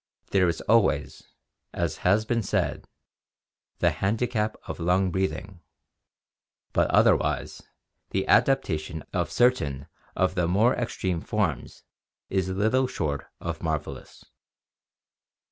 There is always, as has been said, the handicap of lung breathing, but otherwise the adap tation of certain of the more extreme forms is little short of mar velous.